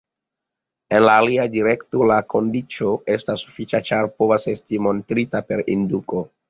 En la alia direkto, la kondiĉo estas sufiĉa, ĉar povas esti montrita per indukto.